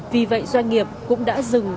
vì vậy doanh nghiệp cũng đã dừng